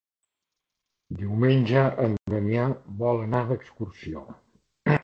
Diumenge en Damià vol anar d'excursió.